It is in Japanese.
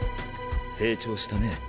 成長したね。